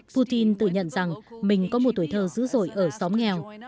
putin tự nhận rằng mình có một tuổi thơ dữ dội ở xóm nghèo